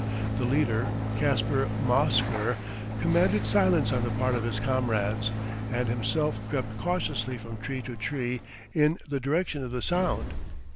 The leader, Caspar Mausker, commanded silence on the part of his comrades, and himself crept cautiously from tree to tree in the direction of the sound.